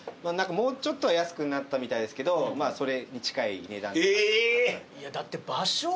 もうちょっとは安くなったみたいですけどええっ！？